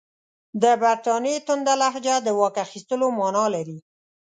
د برټانیې تونده لهجه د واک اخیستلو معنی لري.